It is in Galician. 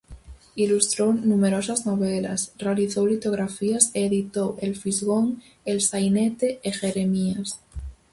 Ilustrou numerosas novelas, realizou litografías e editou "El Fisgón", "El Sainete" e "Jeremías".